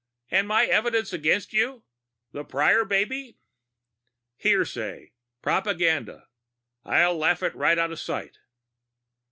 "And my evidence against you? The Prior baby?" "Hearsay. Propaganda. I'll laugh it right out of sight."